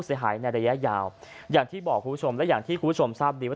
เสียหายในระยะยาวอย่างที่บอกคุณผู้ชมและอย่างที่คุณผู้ชมทราบดีว่า